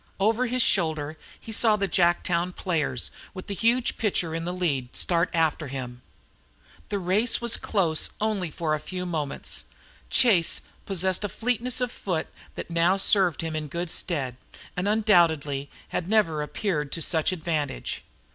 Over his shoulder he saw the Jacktown players, with the huge pitcher in the lead, start after him. The race was close only for a few moments. Chase possessed a fleetness of foot that now served him in good stead, and undoubtedly had never appeared to such advantage.